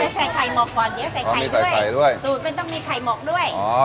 เราจะใส่ไข่หมกก่อนเดี๋ยวใส่ไข่ด้วยต้องมีใส่ไข่ด้วยสูตรมันต้องมีไข่หมกด้วย